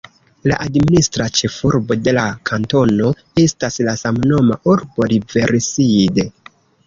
La administra ĉefurbo de la kantono estas la samnoma urbo Riverside.